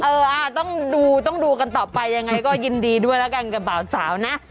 เออต้องดูต้องดูกันต่อไปยังไงก็ยินดีด้วยแล้วกันกับบ่าวสาวนะ